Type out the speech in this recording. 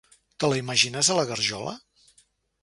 Te la imagines, a la garjola?